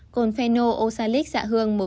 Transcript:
cồn phenol oxalic dạ hương một